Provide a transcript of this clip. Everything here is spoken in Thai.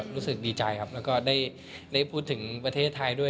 รู้สึกดีใจครับแล้วก็ได้พูดถึงประเทศไทยด้วย